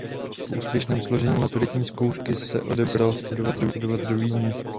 Po úspěšném složení maturitní zkoušky se odebral studovat do Vídně.